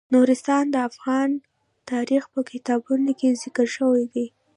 نورستان د افغان تاریخ په کتابونو کې ذکر شوی دي.